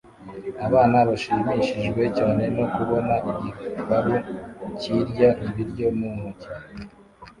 Abana bashimishijwe cyane no kubona igiparu kirya ibiryo mu ntoki